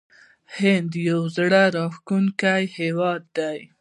هند یو زړه راښکونکی هیواد دی.